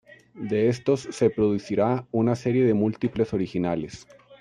De estos se producirá una serie de múltiples originales.